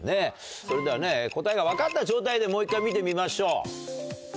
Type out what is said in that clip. それでは答えが分かった状態でもう１回見てみましょう。